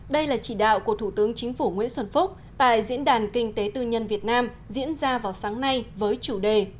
đây là chỉ đạo của thủ tướng chính phủ nguyễn xuân phúc tại diễn đàn kinh tế tư nhân việt nam diễn ra vào sáng nay với chủ đề